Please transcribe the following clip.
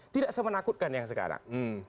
tidak semenakutkan yang sekarang